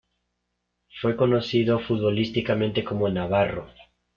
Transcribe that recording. Fue conocido futbolísticamente como Navarro.